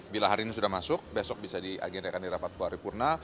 bila hari ini sudah masuk besok bisa diagendakan di rapat paripurna